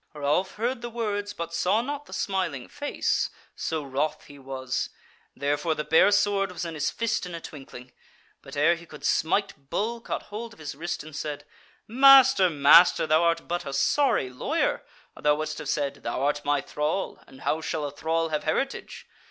Ralph heard the words but saw not the smiling face, so wroth he was; therefore the bare sword was in his fist in a twinkling. But ere he could smite Bull caught hold of his wrist, and said: "Master, master, thou art but a sorry lawyer, or thou wouldst have said: 'Thou art my thrall, and how shall a thrall have heritage?'